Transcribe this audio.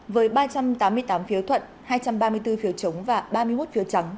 với ba trăm tám mươi tám phiếu thuận hai trăm ba mươi bốn phiếu chống và ba mươi một phiếu trắng